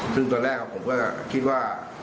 ซึ่งตอนแรกผมก็คิดว่า